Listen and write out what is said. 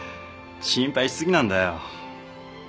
心配し過ぎなんだよ。